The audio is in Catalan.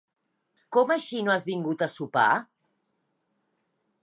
Com així no has vingut a sopar?